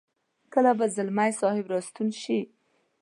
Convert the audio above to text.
کله به ځلمی صاحب را ستون شي.